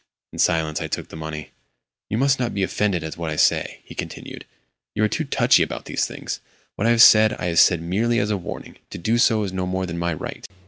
In silence I took the money. "You must not be offended at what I say," he continued. "You are too touchy about these things. What I have said I have said merely as a warning. To do so is no more than my right."